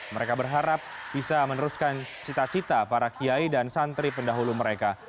mereka berharap bisa meneruskan cita cita para kiai dan santri pendahulu mereka